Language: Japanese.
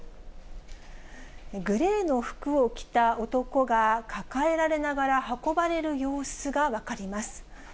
グレーの服を着た男が抱えられながら運ばれる様子が分かります。